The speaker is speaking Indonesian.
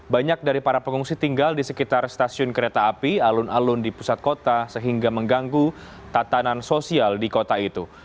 banyak dari para pengungsi tinggal di sekitar stasiun kereta api alun alun di pusat kota sehingga mengganggu tatanan sosial di kota itu